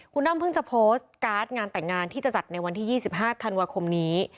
คุณอ้ำเพิ่งจะโพสต์การ์ดงานแต่งงานที่จะจัดในวันที่๒๕ธันวาคมนี้